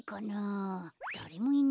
だれもいないや。